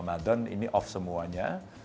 jadi ramadhan ini off semuanya